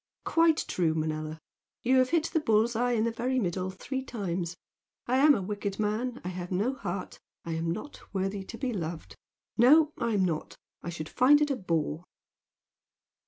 "Quite true, Manella! You've hit the bull's eye in the very middle three times! I am a wicked man, I have no heart, I'm not worthy to be loved. No I'm not. I should find it a bore!"